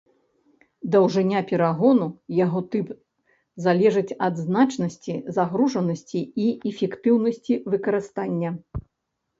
Даўжыня перагону, яго тып залежыць ад значнасці, загружанасці і эфектыўнасці выкарыстання.